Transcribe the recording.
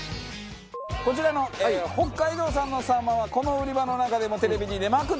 こちらの北海道産のサンマはこの売り場の中でもテレビに出まくっている魚。